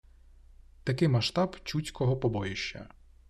Такий масштаб «Чудського побоїща»